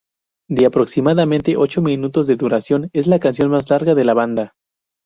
De aproximadamente ocho minutos de duración, es la canción más larga de la banda.